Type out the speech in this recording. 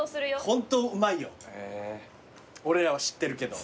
ホントうまいよ俺らは知ってるけど。